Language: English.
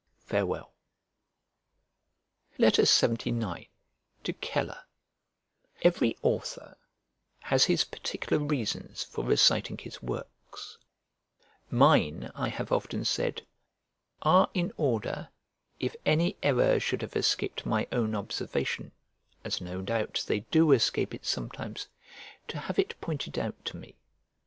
Farewell. LXXIX To CELER EVERY author has his particular reasons for reciting his works; mine, I have often said, are, in order, if any error should have escaped my own observation (as no doubt they do escape it sometimes), to have it pointed out to me.